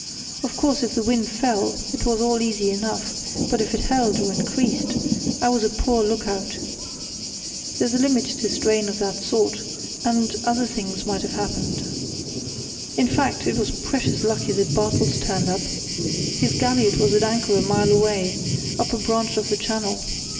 Of course, if the wind fell, it was all easy enough; but if it held or increased it was a poor look out. There's a limit to strain of that sort—and other things might have happened. "In fact, it was precious lucky that Bartels turned up. His galliot was at anchor a mile away, up a branch of the channel.